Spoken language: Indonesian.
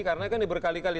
karena kan ini berkali kali